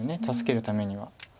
助けるためには。